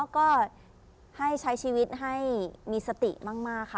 ก็ให้ใช้ชีวิตให้มีสติมากค่ะ